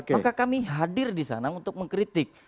maka kami hadir di sana untuk mengkritik